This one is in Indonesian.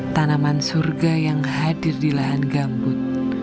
tanaman surga yang hadir di lahan gambut